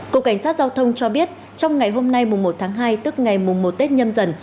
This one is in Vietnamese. cục cảnh sát giao thông cho biết trong ngày hôm nay mùng một tháng hai tức ngày mùng một tết nhâm dần